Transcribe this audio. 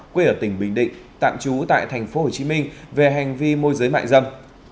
quê ở tỉnh bình định tạm trú tại tp hcm về hành vi môi giới mại dâm